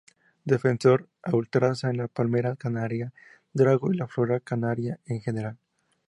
Defensor a ultranza de la palmera canaria, drago y la flora canaria en general.